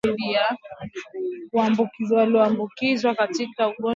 Ugonjwa wa miguu na midomo huenezwa kwa kugusana na wanyama walioambukizwa